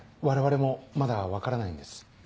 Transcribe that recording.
我々もまだ分からないんです。